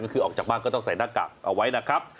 ก็คือออกจากบ้านก็ต้องใส่หน้ากากเอาไว้นะครับ